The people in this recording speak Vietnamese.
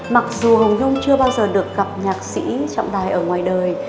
mặc dù hồng nhung chưa bao giờ được gặp nhạc sĩ trọng tài ở ngoài đời